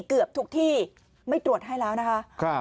เกือบทุกที่ไม่ตรวจให้แล้วนะคะ